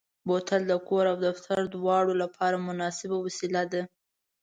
بوتل د کور او دفتر دواړو لپاره مناسبه وسیله ده.